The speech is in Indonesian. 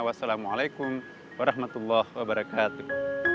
wassalamualaikum warahmatullah wabarakatuh